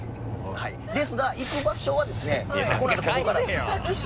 ですが行く場所はですね須崎市？